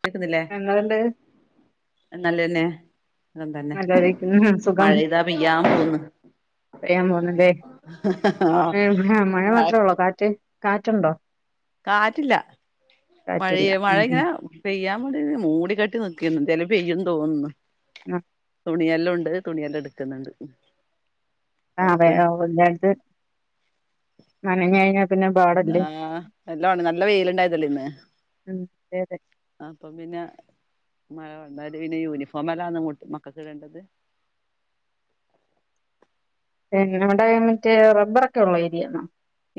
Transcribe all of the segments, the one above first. കേൾക്കുന്നില്ലേ ഞങ്ങളുണ്ട് നല്ലതന്നെ നല്ലായിരിക്ക സുഖം മഴെയ്താ പെയ്യാൻ പോന്ന് പെയ്യാൻ പോന്നലെ മഴ മാത്രേ ഉള്ളൂ കാറ്റ് കാറ്റുണ്ടോ കാറ്റില്ല കാറ്റില്ല മഴയ മഴ ഉം ഇങ്ങനെ പെയ്യാൻ വേണ്ടി മൂടി കട്ടി നക്കുന്നു എന്തലും പെയ്യന്ന് തോന്നുന്നു ഉ തുണിയെല്ലാം ഉണ്ട് തുണിയെല്ലാം എടുക്കുന്നുണ്ട് അതെ പുറത്ത് എല്ലായിടുത്ത് നനഞ്ഞ കഴിഞ്ഞ ആഹ് എല്ലണം നല്ല വെയില ഇണ്ടായതല്ലേ ഇന്ന് ഉം അതെ അതെ അപ്പൊ പിന്നെ മഴ വണ്ടല് പിന്നെ യൂണിഫോം എല്ലാങ്ങട്ട് മക്കൾക്ക് ഇടേണ്ടത് പിന്ന നമ്മടെ മറ്റേ റബ്ബറൊക്കെ ഉള്ള ഏരിയണോ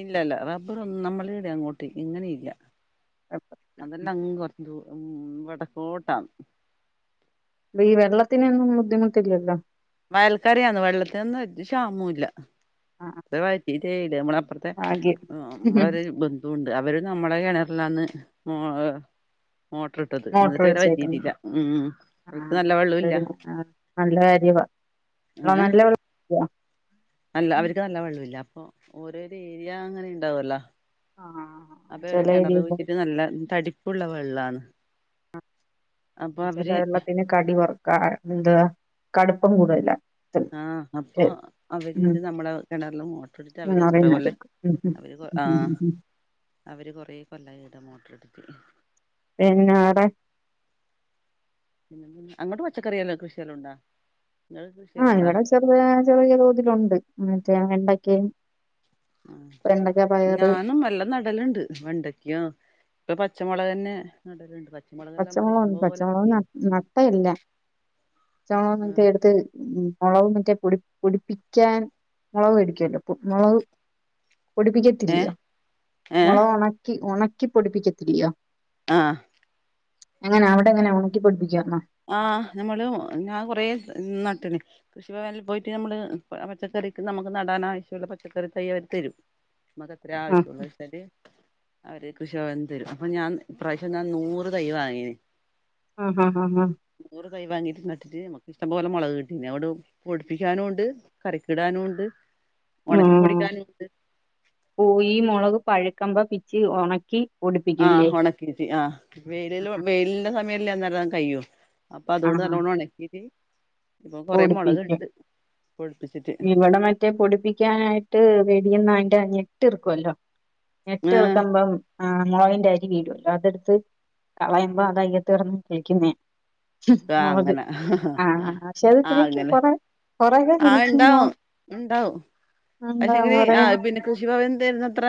ഇല്ലല്ല റബ്ബർ ഒന്നും നമ്മളീവിടെ അങ്ങോട്ട് ഇങ്ങനെ ഇല്ല അപ്പൊ അതെല്ലാം അങ്ങ് കൊറഞ്ഞ പോ ഉ വടക്കോട്ടാണ് അപ്പ ഈ വെള്ളത്തിനെയൊന്നും ബുദ്ധിമുട്ടില്ലല്ലോ വയൽക്കറിയന്ന് വെള്ളത്തിന്നും ക്ഷാമല്ല ആ വറ്റി ട്ടേ ഇല്ല [unintelligible] അപ്പറത്തെ ഭാഗ്യം നമ്മള ഒരു ബന്ധുണ്ട് അവര് നമ്മള കിണറിലാന്ന് മോട്ടർ ഇട്ടത് മോട്ടർ എന്നിട്ട് ഇവരെ വെച്ചേക്കുന്നു പറ്റിയിട്ടില്ല ഉം ആ അവർക്ക് നല്ല വെള്ളമില്ല അതരു നല്ല കാര്യമാണ് അ [unintelligible] അല്ല അവർക്ക് നല്ല വെള്ളമല്ല അപ്പൊ ഓരോര ഏരിയ അങ്ങനെ ഉണ്ടാവല്ലോ ആ അപ്പൊ ഇടെ ചില കിണർ ഏരിയയില് വഴിച്ചിട്ട് നല്ല തടിപ്പുള്ള വെള്ളാണ് അപ്പൊ ചില അവര് വെള്ളത്തിന് കടി വറക്കാ എന്താ കടുപ്പം കൂടുതലാ ആഅപ്പൊ അവര് ഉം നമ്മള കിണറില മോട്ടോറി ട്ട് അവര്ത്ര പോല്ലെ ഉ ഉ ഉ ഉ ഉ അവര് കൊറ കൊല്ലാം മോട്ടർ എടുത്ത് പിന്നെ വേറെ പിന്ന അങ്ങോട്ട് പച്ചക്കറെല്ലാം കൃഷിയെല്ലാം ഉണ്ടോ ആഇവിടെ ചെറിയ ചെറിയ തോതിലുണ്ട് മറ്റേ വെണ്ടക്കയും ആ വെണ്ടക്ക പയറ് ഞാനും നല്ല നടലുണ്ട് വെണ്ടക്കോ ഇപ്പൊ പച്ചമുളക് തന്നെ നാടല് ണ്ട് പച്ചമുള പച്ചമുളകക് ന നട്ടയല്ല ചണന്നൊക്കെ എടുത്ത് ഉ ഉളവും മക്കെ [unintelligible] പൊടിപ്പിക്കാൻ മുളക് വെടിക്കൂല്ലോ മുളക് ഏ പൊടിപ്പിക്കത്തില്ലയോ ഏ മുളക ഉണക്കി ഉണക്കി പൊടിപ്പിക്കത്തില്ലയോ ആ അങ്ങനെ അവിടെ എങ്ങനെ ഉണക്കിൊഠിപ്പിക്കാംന്നോ ആ നമ്മള് ഞാൻ കൊറെേ നട്ടിണ് കൃഷിഭനിൽ പോയിട്ട് നമ്മള് പച്ചക്ക നമുക്ക് നടാൻ ആവശ്യമുള്ള പച്ചക്കറി തൈ അവര് തരും മക്ക അത്ര ആഹ് ആവശ്യുള്ളച്ചാല് അവര് കൃഷഭവൻ തരും അപ്പൊ ഞാൻ ഇ പ്രാവശ്യം ഞാൻ നൂറ് തൈ വാങ്ങീെ ആആ നൂറ് തയ് വാങ്ങിട്ട് നട്ട് ് നമക്ക് ഇഷ്ടംപോലെ മുളകക് കിട്ടിന്നെ അതോണ്ട് പൊടിപ്പിക്കാനുംണ്ട് കരിക്കടാനുംണ്ട് കറിക്കിടാനുംണ്ട് ഉം ഈ മുളക് പഴുക്കമ്പ പിച്ച് ഉണക്കി പൊടിപ്പിക്കൂല്ലേ ആഉണക്കീട്ട ആ് വെയിലിൽ വെയിലിൻന്റെ സമയല്ല അന്നേരം കഴോ അപ്പൊ അതോണ്ട് ആഹ് നല്ലോണം ഉണക്കീട്ട് ഇപ്പൊ കൊറെേ പൊടിപ്പിക്കും മുളക്ണ്ട് ഇവിടെ മറ്റേ പൊടിപ്പിക്കാനായിട്ട് വെടുന്ന ഞെട്ട് ഇർക്കുവല്ലോ ഏഹ് ഞെട്ട്ർക്കുമ്പം ആഹ് മുളകന്റെ അര് വീടുല്ലോ അതെടുത്ത് കളയുമ്പോ അത് അയ്യത്ത് ഇറന്ന് കളിക്കുന്ന ആഹ് മുളക് അങ്ങനെ ആ പക്ഷെ അത് പിക്ക് കൊറ ആഉണ്ടാവും ഉണ്ടാവും എന്താ പക്ഷെങ്കില് കൊറേ ആ പിന്നെ കൃഷിഭവൻ തരുന്നത്ര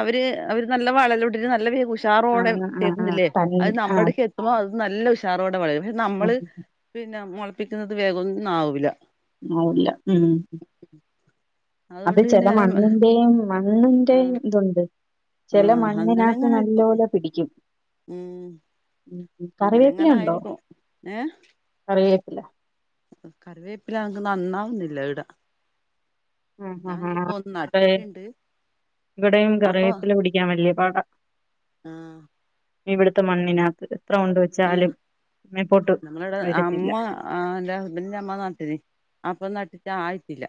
അവര് അവര് നല്ല വളലോട്ടി നല്ല ഉഷാറോടെ ആഹ് ആഹ് ആഹ് തരുന്നില്ലേ തനി അത് ആഹ് നമ്മടക്ക് എത്തുമ്പോ നല്ല ഉഷാറോടെ വള പക്ഷെ നമ്മള് പിന്നെ മുളപ്പിക്കുന്നത് വേഗംന്നും ആാവൂില്ല ആല്ല ഉ അത് അതുകൊണ്ട് പിന്നെ ചില ഞാൻ മണ്ണിന്റെയും മണ്ണിന്റെ ആഹ് ഇതുണ്ട് ചില ആഹ് മണ്ണിനത്ത് അങ്ങനെങ്ങനെ നല്ല ആയിരിക്കും പോലെ പിടിക്കും ഉം ഉ അങ്ങനെ കറിവേപ്പില അങ്ങനെ ഉണ്ടോ ആയിരിക്കും ഏ കറിവേപ്പില കറിവേപ്പില നനക്ക് നന്നാവുന്നില്ല ഇവിടാ ആ ആ ആ ഞാനിപ്പോഒന്ന് ഇവിടെ നട്ടിട്ടുണ്ട് ഇവിടെയും അപ്പൊ കറിയത്തില് പിടിക്കാൻ വലിയ പാട ആ ഇവിടുത്തെ മണ്ണിനകത്ത് എത്ര കൊണ്ട് വെച്ചാലും മേപ്പോട്ട് നമ്മള ഇവിടെ വരത്തില്ല അമ്മ ആ എന്റെ ഹസ്ബൻറിന്റെ അമ്മ നാട്ടന് അപ്പ നാട്ടി ഇ ആയിട്ടില്ല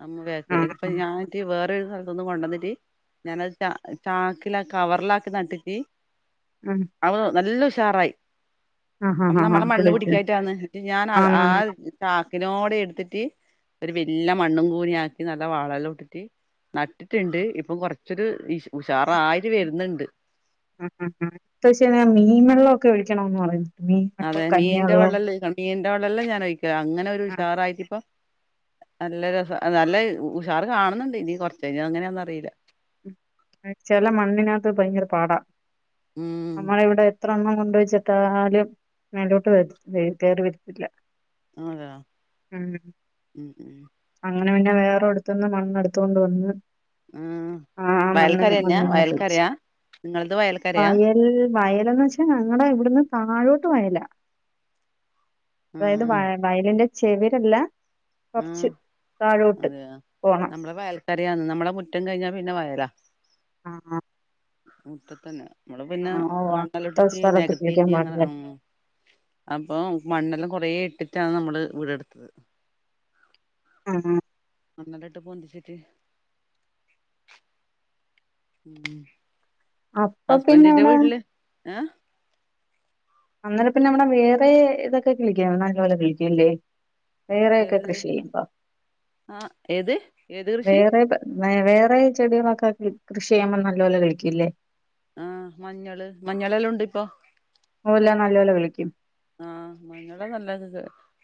നമ്മേക്ക ആ ഇതിപ്പ ആ ഞാനിട്ട് വേറരു സ്ഥലത്തൊന്നും കൊണ്ടന്നിട്ട് ഞാനത് ച ചാക്കില കവറിലാക്കി നട്ടിച്ച് ആ അ നല്ല ഉഷാറായി ആ അപ്പൊ ആ ആ ആ. നമ്മളെ മണ്ണ് തെളിച്ച് പിടിക്കായിട്ടന്ന് ഞാൻ ആ ആന്നാന്ന് കക്കിനോടെ എടുത്തിട്ട് ഒരു വല്ല മണ്ണും കൂന ആക്കി നല്ല വളല്ല ഇട്ടിട്ട് നട്ടിട്ടുണ്ട് ഇപ്പം കൊറച്ചൊരു ഉഷാറായി വരുന്നുണ്ട് ആ അ മീൻ വെള്ളമൊക്കെ ഒഴിക്കണമെന്ന് പറയുന്നു മീൻ അതെ വെള്ളവും കഞ്ഞി മീൻന്റെ വെള്ളവും വള്ളംല്ല മീന്റെ വെള്ളല്ലാം ഞാൻ ഒഴിക്ക അങ്ങനെ ഒരു ആ ഉഷാറായിട്ട ഇപ്പൊ നല്ല രസം നല്ല ഉഷാർ കാണുന്നുണ്ട് ഇനി കൊറച്ച് കഴിഞ്ഞ് അങ്ങനെയാണെന്ന് അറിയില്ല ആ ചല മണ്ണിനകത്ത് ഭയങ്കര പാടാ ഉം അത്ര എണ്ണം കൊണ്ട വച്ചിട്ടാലും മേലോട്ട് വരത്തി കയറി വരത്തില്ല അതാ ഉം ഉ ഉ അങ്ങനെ പിന്നെ വേറെ അടുത്തുന്ന് മണ്ണ് എടുത്തു കൊണ്ട് വന്ന് ഉം ആഹ് മണ്ണിന് വയൽക്കരന്നെയാ മണ്ണിനകത്ത് വെച്ച് വയൽക്കരയാ നിങ്ങളത് വയൽക്കരയാ വയലന്ന് വെച്ചാ ഞങ്ങള ഇവിടന്ന് താഴോട്ട് വയല അതായത് വ ആഹ് വയലിന്റെ ചെവിരല്ല ആ കൊറച്ച് താഴോട്ട് അതെയ പോണം നമ്മള വയൽക്കാരന്ന് നമ്മളെ മുറ്റം കഴിഞ്ഞാ പിന്നെ വയലാ ആഹ ആ മുറ്റത്ത് തന്നെ നമ്മള് പിന്നെ മണ്ണല അങ്ങനത്തെ ഇട്ടിട്ട് സ്ഥലത്ത് കുളിക്കാൻ നികത്തിട്ടി അങ്ങനെ പാടില്ല അപ്പൊ മണ്ണെല്ലും കുറെ ഇട്ടിട്ടാണ് നമ്മള് വീടെടുത്തത് ആഹ ആഹ നല്ലല്ല ഇട്ട് പന്തിച്ചിട്ട് ഉം അപ്പൊ പിന്നെ ഹസ്ബൻഡിന്റെ എവിടെ വീട്ടില് ഏഹ് അന്നേര പിന്നെ നമ്മടെ വേറെ ഇതൊക്കെ കളിക്ക നല്ല പോലെ കളിക്കല്ലേ വേറെയൊക്കെ ഏത് കൃഷി ചെയ്യുമ്പോ ആഹ് ഏത് ഏത് കൃഷി വേറെയൊക്കെ വേറെ ചെടികളൊക്കെ കൃഷി ചെയ്യുമ്പോൾ നല്ല പോലെ കിളിർക്കല്ലേ ആഹ മഞ്ഞള് മഞ്ഞളെല്ലാമുണ്ട് ഇപ്പൊ ഓല നല്ലപോലെ കിളിക്കും ആഹ് മഞ്ഞളെ നല്ലത്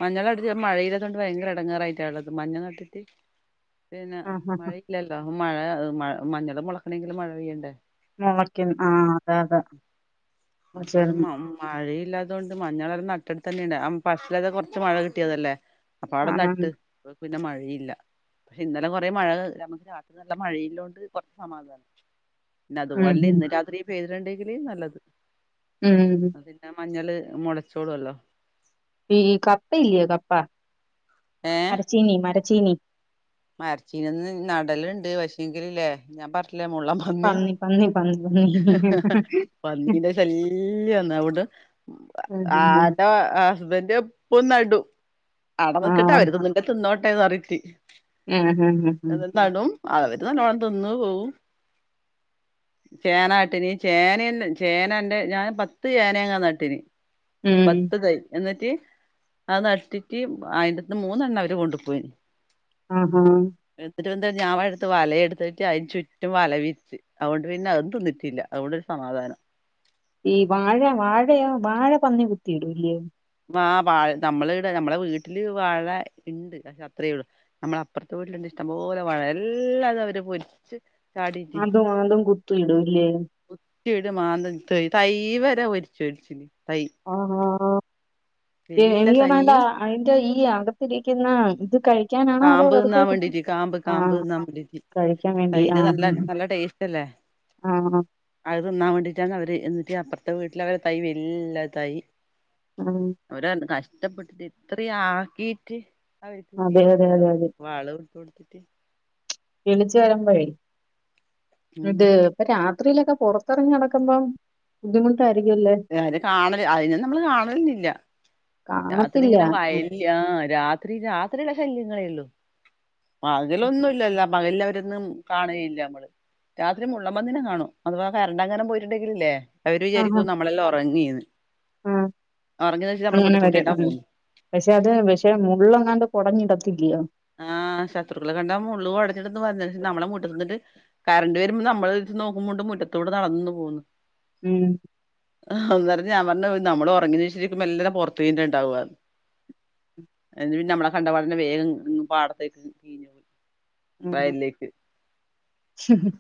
മഞ്ഞള അടുത്ത് മഴയില്ലതുകൊണ്ട് ഭയങ്കര ഇടങ്ങേറായിട്ടാള്ളത് മഞ്ഞ നട്ടിട്ട് പിന്നെ ആഹ് ആഹ് മഴയില്ലല്ലോ മഴ മഞ്ഞളും മുളക്കണമെങ്കിലും മഴ പെയ്യണ്ടേ മുളക്കും ആ അതെ അതെ മുളച്ചന്ന് മഞ്ഞളര നട്ടിട്ട് തന്നെുണ്ട് ഫസ്റ്റിലെ കുറച്ച് മഴ കിട്ടിയതല്ലേ അപ്പൊ അവിടെ കാണാൻ നട്ട് പിന്നെ മഴ യില്ല പക്ഷെ ഇന്നലെ കുറെ മഴ നമക്ക് രാത്രി നല്ല മഴയില്ലോണ്ട് കുറച്ച് സമാധമാണ് പിന്ന ഉം അതുപോലെെ ഉം ഇന്ന് രാത്രി പെയ്തിട്ടുണ്ടെങ്കില് നല്ലത് ഉം അ പിന്നെ മഞ്ഞള് മുളച്ചോടുല്ലോ കപ്പ ഇല്ലയ കപ്പ മരച്ചീനി മരച്ചീനി മരച്ചീനന്ന് നടലുണ്ട് പക്ഷേയേങ്കിലല്ലേ ഞാൻ പറില്ലേ മുള്ളൻ പന്നി ഉഹ് ഹ് ഹ് പന്നീന്റെ ശല്യ വന്ന അവിടെന്റെ ഹസ്ബൻഡ് പോയി നടും അട ആ നക്കിട്ട് അവർത് നിന്റെ തിന്നോട്ടെന്ന് അറിയിത്തി ഉം ഉം എ ഉം ഉം നടും ആളവര് നല്ലവണം തിന്നു പോവും ചേനാട്ടിന ചേനന്ന് ചേന എന്റെ ഞാൻ പത്ത് ചേനങ്ങാ നട്ടിന ഉം പത്ത്തൈ എന്നിട്ട അത് നട്ടിട്ട് ആയിന്റെത്ത് മൂന്നെണ്ണം അവര് കൊണ്ടു പോയിന് ആഹ ആഹ ഞാൻടുത്ത് വലയടുത്തിട്ട് അതിന് ചുറ്റും വല വിച്ച് അതൊണ്ട് [unintelligible] പിന്നെ അതും തിന്നിറ്റില്ല അതുകൊണ്ട് ഒരു സമാധാനം ഈ വാഴ വാഴയോ വാഴ പന്നി കുത്തിയിടൂല്ലയോ ആഹ് വാഴ നമ്മള് ഇവിടെ നമ്മടെ വീട്ടില് വാഴ ഉണ്ട് പക്ഷെ അത്രയേള്ളു നമ്മടെ അപ്പുറത്തെ വീട്ടിലുണ്ട് ഇഷ്ടംപോലെ വളരെല്ലാം അത അവര് പൊരിച്ച് ചാടിട്ട് അതും അതും കുത്ത് ഇടുല്ലേ കുത്തിട് മാന്തി ഇടും തൈ വരെ വച്ചു ആഹ് [unintelligible] വല്യ എനി തന്ന തൈ അന്റെ അയിറെ ഈ ആകത്തിരിക്കുന്ന ഇത് കഴി കാമ്പ് തിന്നാ വേണ്ടിട്ട് കാമ്പ് കാമ്പ് തിന്നാ വേണ്ടിട്ട് കഴിക്കാൻ വേണ്ടി ആ അതിന് നല്ല നല്ല ടേസ്റ്റ് അല്ലേ ആ അത് തിന്നാൻ വേണ്ടിട്ടാണ് അവര് എന്നിട്ട് അപ്പ ഇ വീട്ടില അവടെ തൈ വല്ലാ തൈ ആ. അവര കഷ [unintelligible] കഷ്ട്ടപ്പെട്ട് ഇത്ര ആക്കീട്ട് അതെ അതെ വീട്ടില്ലല്ലോ അതെ വാള വിടുത്ത കൊടുത്തിട്ട് കിളിച്ചു വരുമ്പഴേ ഉം ഇത് ഇപ്പൊര രാത്രിലൊക്കെ പുറത്തിറങ്ങി നടക്കുമ്പം ബുദ്ധിമുട്ട് അത് കാണല് അതിനെ നമ്മള് കാണലൊന്നുമില്ല രാത്രി ഇങ്ങനെ വയല് ആഹ് രാത്രി രാത്രിയുള്ള ശല്യങ്ങളേ ഒള്ളൂ പകലൊന്നും ഇല്ലല്ലോ പകല അവരൊന്നും കാണുകയില്ല നമ്മള് രാത്രി മുള്ളൻപന്നിനെ കാണും അഥവാ കറന്റ് എങ്ങാനും പോയിട്ടുണ്ടെങ്കിൽ ഇല്ലേ അവര് ആഹാ. വിചാരിക്കും നമ്മളെല്ലാം ഉറങ്ങിയെന്ന് ഉറങ്ങിയ വെച്ചൽ നമ്മുടെ മുറ്റ ഓക്കേ പക്ഷെ അത് പക്ഷെ മുള്ളങ്ങാണ്ട് കൊട ഞ്ഞിടത്തില്ലയോ ആഹ് ശത്രുക്കൾ കണ്ടാ മുള്ള് കൊടഞ്ഞിടത്ത് [unintelligible] നിന്നിട്ട് കറണ്ട് വരുമ്പോ നമ്മൾ നോക്കുമ്പോണ്ട് മുറ്റത്തൂടെ നടന്നു പോകുന്നു ഉം. ആഹ [unintelligible] ഞാൻ പറഞ്ഞ് നമ്മള് ഒറങ്ങി നീചിരിക്കുമ്പോ എല്ലരും പുറത്തന്നെ ണ്ടാവാ ന്ന് നമ്മളെ കണ്ടപാടന്നെ വേഗം പാടത്തേക്ക് [unintelligible] വയലിലേക്ക് ഹ്ഹ്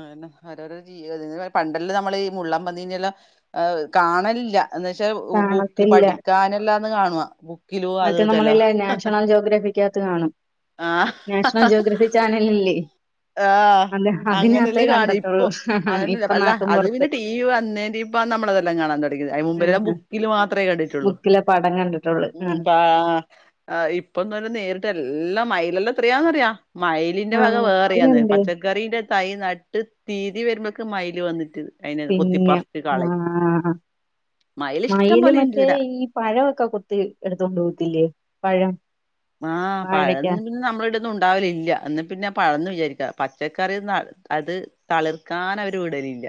അതന്നെ, ഓരോരോ ജീവ [unintelligible] പണ്ടല്ല നമ്മള് ഈ മുള്ളം പന്നീന്യല്ലം കാണലില്ല. എന്ന് വെച്ചാ ബുക്കിൽ കാണത്തില്ല. പഠിക്കാനല്ലാന്ന് കാണുവാ ബുക്ക് മറ്റേ നമ്മളല്ല നാഷണൽ ജോഗ്രഫി ത്ത് കാണും. നാഷണൽ ആഹ് ജോഗ്രഫി ചാനലല്ലേ. ആഹ്. അങ്ങനെല്ല കാണും. ഇപ്പൊ അത ഇപ്പൊ അല്ല അത് നാട്ടുംപുറത്ത്. പിന്നെ ടി വി വന്നേൻ്റിം പ്പ നമ്മളതെല്ലാം കാണാൻ തുടങ്ങിയത്. അതിന് ഉം. മുമ്പെല്ലാം ഉം. ബുക്കിൽ മാത്രേ കണ്ടിട്ടുള്ളൂ ബുക്കിലെ പടം കണ്ടിട്ടുള്ളൂ. ഉം. അ ഇപ്പൊന്ന് രു നേരിട്ട് എല്ലാം മൈലെല്ലാംത്രയാന്ന്റിയ മയ്ലിന്റെ വക ആഹ് വേറെയാന്ന് മയിലുണ്ട്. പച്ചക്കറിന്റെ തൈ നട്ട് തീതി പെരമ്മക്ക് മയിൽ വന്നിട്ടത് പിന്നെ ആ ആ മയില് ഇഷ്ടം മയിൽ പോലെ ഇണ്ട് മറ്റേ ഈട ഈ പഴമൊക്കെ കൊത്തി എടുത്തോണ്ട് പോവത്തില്ലേ പഴം ആഹ് വാഴയ്ക്ക പഴന്നമ്മള്‌ട് ഒന്നും ഉണ്ടാവലില്ല. എന്നന്ന് പിന്നെ പഴന്നു വിചാരിക്കാ. പച്ചക്കറിന്ന അത് തളിർക്കാനവര് വിടലില്ല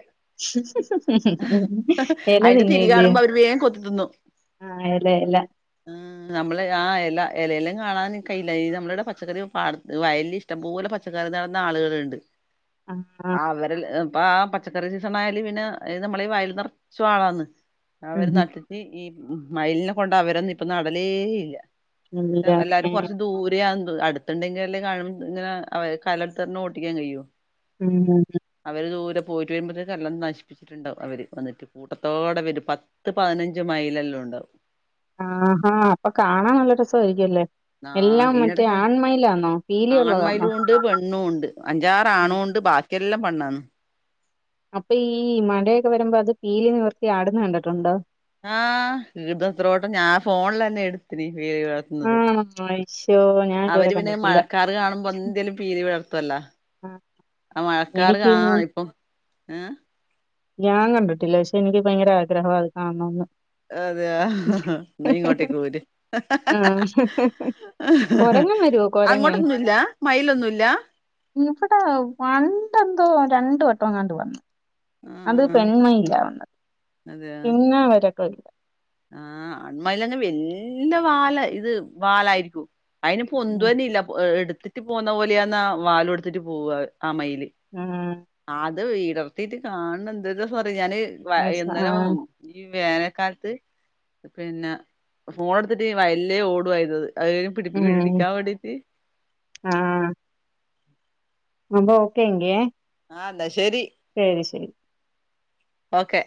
എല തിന്നെല്ല ഉം നമ്മള് ആ എല എലേല് കാണാൻ കഴിയില്ല. ഈ നമ്മളുടെ പച്ചക്കറി വയല്‌ല് ഇഷ്ടംപോലെ പച്ചക്കറി നട്ന്ന ആളുകളുണ്ട് ആഹ് അവരെ ൽ ഇപ്പൊ ആ പച്ചക്കറി സീസണ ആയാല് പിന്നെ അതയത് നമ്മള ഈ വയൽ നിറച്ചു ആളാന്ന് അവർ ഉം നട്ടിട്ട് ഈ ഉ മയിലിനെ കൊണ്ട് അവരൊന്നും ഇപ്പൊ നടലേ ഇല്ല. എല്ലാരും ഇല്ലന്നെ കൊറച്ച് ദൂരെയാണ് അടുത്തുണ്ടെങ്കിലല്ലേ കാണു ഇങ്ങനെ കാലട്ടർന് ഓട്ടിക്കാൻ കഴിയൂ ഉം പോയിട്ടു വരുമ്പഴത്തേക്ക് എല്ലാം നശ! പ്പിച്ചിട്ടുണ്ടാവും അവര്. വന്നിട്ട് കൂട്ടത്തോടെ അവര് പത്ത് പതിനഞ്ച് മൈൽ ല്ലാം ഉണ്ടാവും! ആഹഹാ അപ്പൊ കാണാൻ നല്ല രസമായിരിക്കുംല്ലേ.? നാ എല്ലാം മറ്റേ ഈനിടക്ക് ആൺമയിലാന്നോ പീലി ഉള്ളതാന്നോ ആൺമയിലും ഉണ്ട് പെണ്ണും ഉണ്ട് ഉം അഞ്ചാറആണു ഉണ്ട് ബാ എല്ലാം പെണ്ണാന്ന്! അപ്പൊ ഈ മഴയൊക്കെ വരുമ്പോ അത് പീലി നിവർത്തി ആടന്ന് കണ്ടിട്ടുണ്ടോ? ആഹ് കീതത്രോട്ടം ഞാൻ ഫോണിലന്നെ എടുത്തിന് പീലി വിടർ ത്തുന്നത് ആണോ അയ്ശോ ഞാൻ ഇതുവരെ അവര് പിന്നെ കണ്ടിട്ടില്ല മഴക്കാർ കാണുമ്പോ എന്തേലും പീലിവിടർത്തുവല്ലോ. ആഹ് ആ മഴക്കാറ് എനിക്ക് കാണാണ് ഇപ്പൊ ആഏ! ഞാൻ കണ്ടിട്ടില്ല. പക്ഷെ എനിക്ക് ഭയങ്കര ആഗ്രഹമാ അത് കാണണംന്ന്. അതെയോ? എന്നാഇങ്ങോട്ടേക്ക് പോര്. ആഹ് കൊരങ്ങൻ വരുവോ കൊരങ്ങൻ അങ്ങോട്ടൊന്ന്വല്ല മൈലൊന്നും! ഇവിടെ പണ്ടെന് രണ്ട വട്ടം അങ്ങാണ്ട് വന്നു അത് ആഹ് പെൺമയിലാ വന്നതത്. അതെ പിന്നെ വരക്കല്ല! ആഹ്! ആണ്മയിലന്നെ വല്ല്യ വാല ഇത് വാലായിരിക്കും. അയിന് പൊന്തു ഉം തന്നെ ഇല്ല, എടുത്തിട്ട് പോന്ന പോലെയന്ന വാല എടുത്തിട്ട് പോവ ആ മയില് ആ അത് ഇടർത്തിീട്ട് കാണണ എന്ത ഞാന് ആ ഇന്നലേം ഈ വേനൽക്കാലത്ത്? പിന്നെ ഫോൺ എടുത്തിട്ട് ഈ വയലിലേ ഓടുവയിത്! അയിന്പിടിപ്പിക്കാ ഉം പിടിക്കാ അവിട റ്റ് റൊമ്പ ഓക്കെ ഇങ്ക? ആ എന്നാ ശരി ശരി ശരി ഓക്കെ!